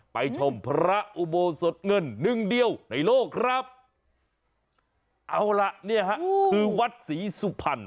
ไปชมพระอุโบสถเงินหนึ่งเดียวในโลกครับเอาล่ะเนี่ยฮะคือวัดศรีสุพรรณ